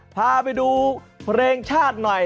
พาไปดูเพลงชาติหน่อย